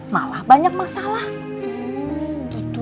malah banyak yang mau ngambilin kantor kita